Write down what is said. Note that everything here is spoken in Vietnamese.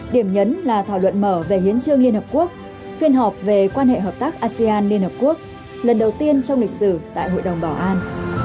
điểm nhấn là thảo luận mở về hiến trương liên hợp quốc phiên họp về quan hệ hợp tác asean liên hợp quốc lần đầu tiên trong lịch sử tại hội đồng bảo an